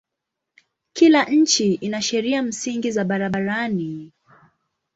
Kila nchi ina sheria msingi za barabarani.